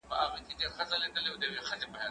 کېدای سي لاس ککړ وي؟